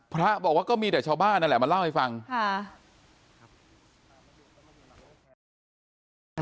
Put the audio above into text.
พระบอกว่าก็มีแต่ชาวบ้านนั่นแหละมาเล่าให้ฟังค่ะ